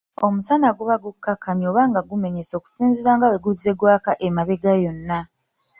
Omusana guba gukkakanye oba nga gumenyese okusinziira nga bwe guzze nga gwaka emabega yonna.